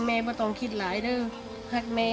แม่ไม่ต้องคิดหลายด้วยครับแม่